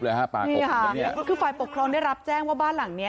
เลยฮะป่ากกคือฝ่ายปกครองได้รับแจ้งว่าบ้านหลังเนี้ย